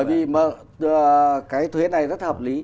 thì mà cái thuế này rất hợp lý